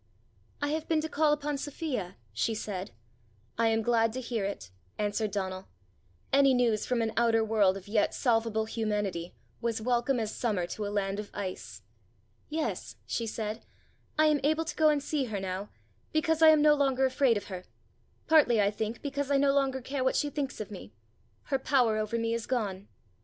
"I have been to call upon Sophia," she said. "I am glad to hear it," answered Donal: any news from an outer world of yet salvable humanity was welcome as summer to a land of ice. "Yes," she said; "I am able to go and see her now, because I am no longer afraid of her partly, I think, because I no longer care what she thinks of me. Her power over me is gone."